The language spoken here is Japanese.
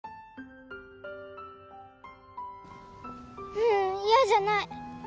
ううん嫌じゃない。